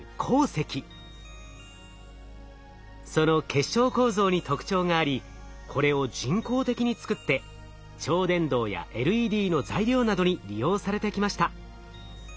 その結晶構造に特徴がありこれを人工的に作って超電導やＬＥＤの材料などに利用されてきました。